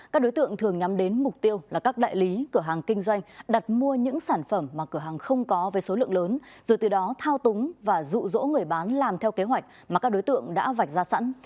các đối tượng thường nhắm đến mục tiêu là các đại lý cửa hàng kinh doanh đặt mua những sản phẩm mà cửa hàng không có với số lượng lớn rồi từ đó thao túng và rụ rỗ người bán làm theo kế hoạch mà các đối tượng đã vạch ra sẵn